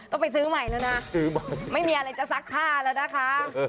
ไปซื้อใหม่แล้วนะไม่มีอะไรจะซักผ้าแล้วนะคะ